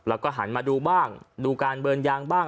แล้วก็หันมาดูบ้างดูการเบิร์นยางบ้าง